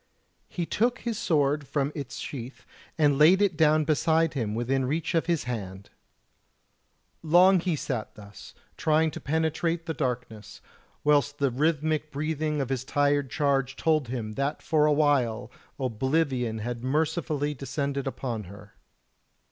He took his sword from its sheath and laid it down beside him within reach of his hand. Long he sat thus, trying to penetrate the darkness, whilst the rhythmic breathing of his tired charge told him that for a while oblivion had mercifully descended upon her.